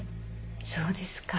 そうですか。